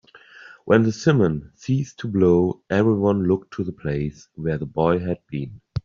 When the simum ceased to blow, everyone looked to the place where the boy had been.